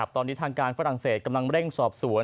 ตอนนี้ทางการฝรั่งเศสกำลังเร่งสอบสวน